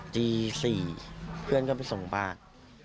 ตี๔เพื่อนก็ไปส่งบ้าน